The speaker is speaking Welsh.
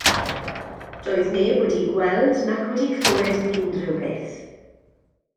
Doedd neb wedi gweld nac wedi clywed unrhyw beth.